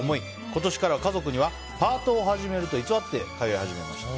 今年から家族にはパートを始めると偽って通い始めました。